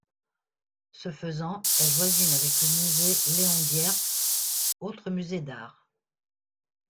Ce faisant, elle voisine avec le musée Léon-Dierx, autre musée d'art.